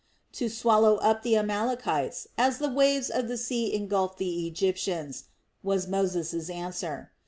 "To swallow up the Amalekites as the waves of the sea engulfed the Egyptians," was Moses' answer.